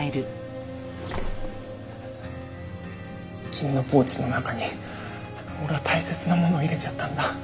君のポーチの中に俺は大切なものを入れちゃったんだ。